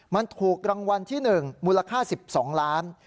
มันถูกรางวัลที่๑มูลค่า๑๒ล้าน